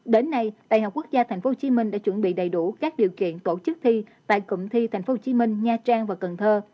đến nay đại học quốc gia tp hcm đã chuẩn bị đầy đủ các điều kiện tổ chức thi tại cụm thi tp hcm nha trang và cần thơ